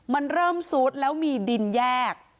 มันเริ่มซุดแล้วมีดินแยก